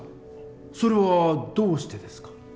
それはどうしてですか？